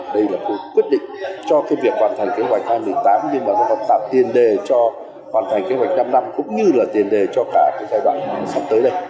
đây là quyết định cho việc hoàn thành kế hoạch hai nghìn một mươi tám nhưng mà nó còn tạo tiền đề cho hoàn thành kế hoạch năm năm cũng như là tiền đề cho cả giai đoạn sắp tới đây